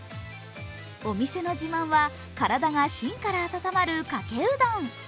お店の自慢は体が芯から温まるかけうどん。